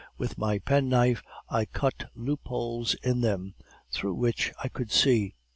With my penknife I cut loopholes in them, through which I could see.